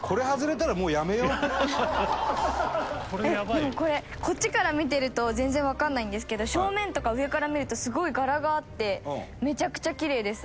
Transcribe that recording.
でもこれこっちから見てると全然わかんないんですけど正面とか上から見るとすごい柄があってめちゃくちゃキレイです。